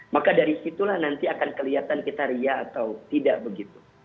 maka dari situlah nanti akan kelihatan kita ria atau tidak begitu